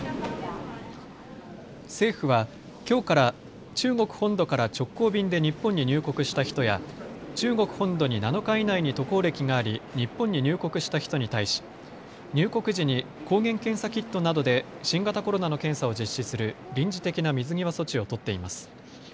政府はきょうから中国本土から直行便で日本に入国した人や、中国本土に７日以内に渡航歴があり日本に入国した人に対し入国時に抗原検査キットなどで新型コロナの検査を実施する臨時的な水際措置を取っています。